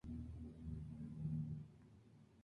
Sin embargo no podían ser más diferentes uno del otro.